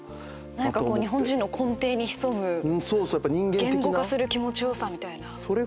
何か日本人の根底に潜む言語化する気持ちよさみたいな。